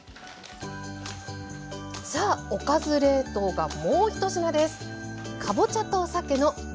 さあ「おかず冷凍」がもう１品です。